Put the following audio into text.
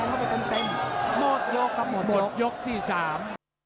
หมดยกครับผมหมดยกที่สาม